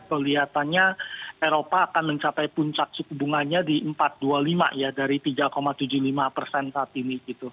kelihatannya eropa akan mencapai puncak suku bunganya di empat ratus dua puluh lima ya dari tiga tujuh puluh lima persen saat ini